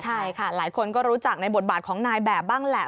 ใช่ค่ะหลายคนก็รู้จักในบทบาทของนายแบบบ้างแหละ